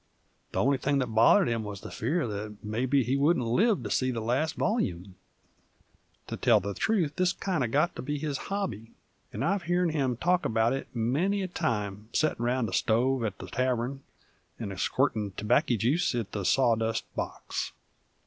The only thing that bothered him wuz the fear that mebbe he wouldn't live to see the last volyume, to tell the truth, this kind uv got to be his hobby, and I've heern him talk 'bout it many a time settin' round the stove at the tarvern 'nd squirtin' tobacco juice at the sawdust box.